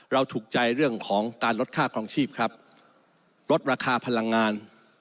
ถูกใจเรื่องของการลดค่าครองชีพครับลดราคาพลังงาน